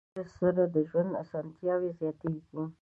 ټکنالوژي سره د ژوند اسانتیاوې زیاتیږي.